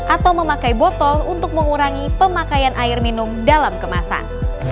atau memakai botol untuk mengurangi pemakaian air minum dalam kemasan